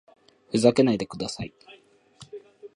ふざけないでください